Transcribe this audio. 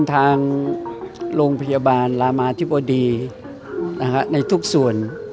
ทางโรงพยาบาลรามาธิบดีในทุกส่วน